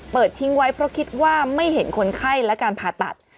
ทิ้งไว้เพราะคิดว่าไม่เห็นคนไข้และการผ่าตัด